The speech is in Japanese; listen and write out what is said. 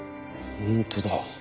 本当だ。